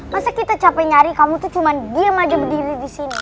masa kita capek nyari kamu tuh cuman diem aja berdiri disini